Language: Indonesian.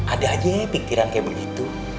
ada aja ya pikiran kayak begitu